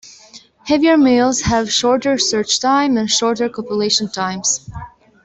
Heavier males have shorter search times and shorter copulation times.